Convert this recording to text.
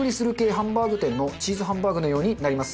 ハンバーグ店のチーズハンバーグのようになります。